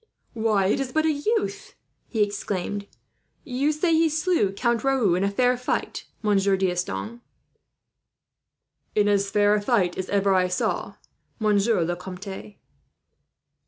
"Why, it is but a youth!" he exclaimed. "You say he slew Count Raoul in fair fight, Monsieur D'Estanges?" "In as fair a fight as ever I saw, Monsieur le Comte."